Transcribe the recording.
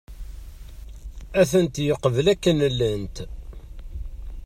Ad tent-yeqbel akken llant.